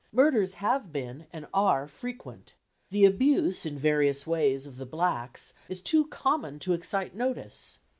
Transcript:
Murders have been and are frequent; the abuse, in various ways, of the blacks is too common to excite notice.